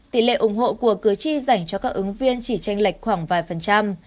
tỷ lệ ủng hộ của cử tri dành cho các ứng viên chỉ tranh lệch khoảng vài phần trăm